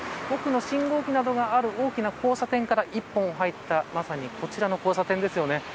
信号機などがある大きな交差点から１本入ったまさにこちらの交差点ですよね。